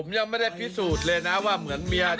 ก็หากว่าในร้ามเมาแล้วเหมือนเมียเกินไป